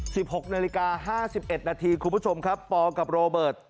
หกนาฬิกาห้าสิบเอ็ดนาทีคุณผู้ชมครับปอกับโรเบิร์ต